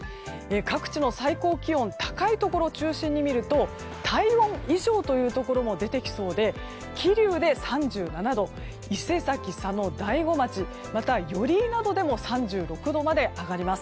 各地の最高気温高いところを中心に見ると体温以上というところも出てきそうで桐生で３７度伊勢崎、佐野、大子町また、寄居などでも３６度まで上がります。